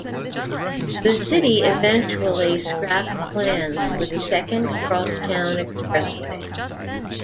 The city eventually scrapped plans for the second cross-town expressway.